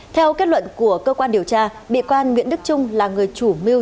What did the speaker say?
theo kết luận của cơ quan điều tra bị can nguyễn đức trung là người chủ mưu